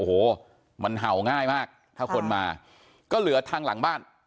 โอ้โหมันเห่าง่ายมากถ้าคนมาก็เหลือทางหลังบ้าน